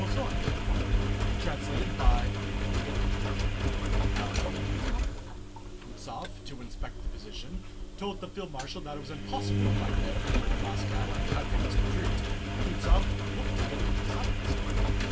CHAPTER III When Ermólov, having been sent by Kutúzov to inspect the position, told the field marshal that it was impossible to fight there before Moscow and that they must retreat, Kutúzov looked at him in silence.